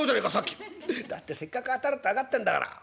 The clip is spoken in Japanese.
「だってせっかく当たるって分かってんだから」。